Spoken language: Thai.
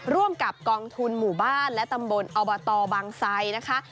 ร่วมกับกองทุนหมู่บ้านและตำบลอบตบางไซนะคะ